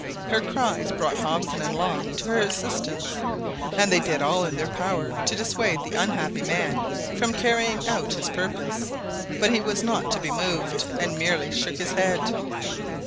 Her cries brought Hobson and Long to her assistance, and they did all in their power to dissuade the unhappy man from carrying out his purpose, but he was not to be moved, and merely shook his head.